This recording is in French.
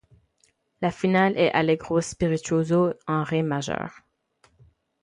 Le finale est Allegro Spirituoso en ré majeur.